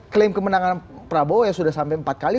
klaim kemenangan prabowo yang sudah sampai empat kali